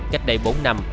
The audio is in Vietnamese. cách đây bốn năm